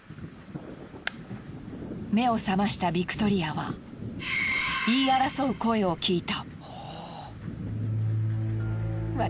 目を覚ましたビクトリアは言い争う声を聞いた。